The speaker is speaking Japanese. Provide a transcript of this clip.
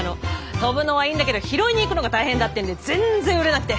飛ぶのはいいんだけど拾いに行くのが大変だってんで全然売れなくて。